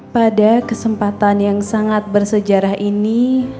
pada kesempatan yang sangat bersejarah ini